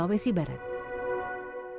apalagi tidak bantu saya